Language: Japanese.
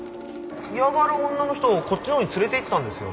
嫌がる女の人をこっちのほうに連れていったんですよね。